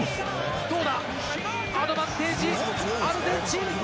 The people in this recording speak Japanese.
どうだアドバンテージはアルゼンチン。